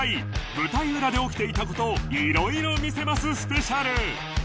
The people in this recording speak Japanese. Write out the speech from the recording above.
舞台裏で起きていた事を色々見せますスペシャル